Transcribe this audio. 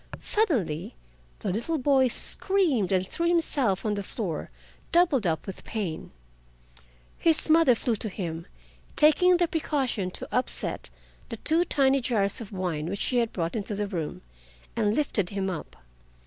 Suddenly the little boy screamed and threw himself on the floor, doubled up with pain. His mother flew to him, taking the precaution to upset the two tiny jars of wine which she had brought into the room, and lifted him up.